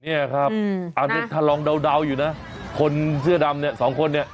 เนี่ยครับอันนี้ถ้าลองเดาอยู่นะคนเสื้อดำเนี่ยสองคนเนี่ย